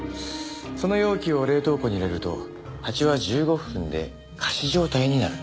その容器を冷凍庫に入れるとハチは１５分で仮死状態になる。